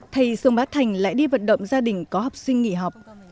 thầy sơn bát thành lại đi vận động gia đình có học sinh nghỉ học